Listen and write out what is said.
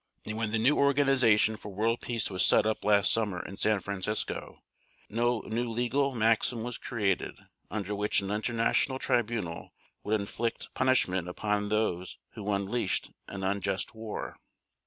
And when the new organization for world peace was set up last summer in San Francisco, no new legal maxim was created under which an international tribunal would inflict punishment upon those who unleashed an unjust war.